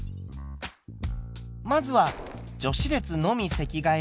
まずは女子列のみ席替えを考えます。